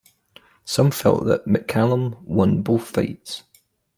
Some felt that McCallum won both fights.